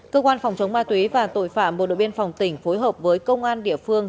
cơ quan phòng chống ma túy và tội phạm bộ đội biên phòng tỉnh phối hợp với công an địa phương